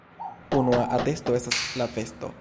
Unua atesto estas la vesto.